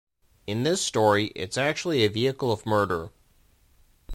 In this story, it's actually a vehicle of murder.